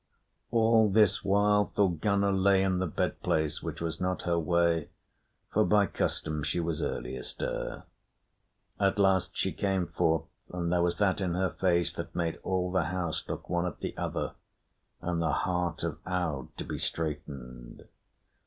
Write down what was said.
All this while Thorgunna lay in the bed place, which was not her way, for by custom she was early astir. At last she came forth, and there was that in her face that made all the house look one at the other and the heart of Aud to be straitened.